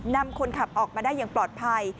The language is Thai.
นำคนขับออกมาได้อย่างปลอดภัย